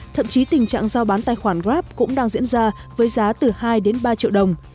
thậm chí tình trạng giao bán tài khoản grab cũng đang diễn ra với giá từ hai đến ba triệu đồng